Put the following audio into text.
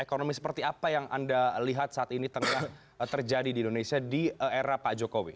ekonomi seperti apa yang anda lihat saat ini tengah terjadi di indonesia di era pak jokowi